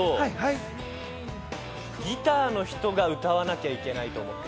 ギターの人が歌わなきゃいけないと思ってた。